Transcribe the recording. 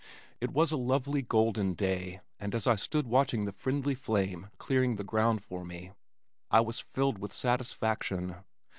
It was a lovely golden day and as I stood watching the friendly flame clearing the ground for me, I was filled with satisfaction.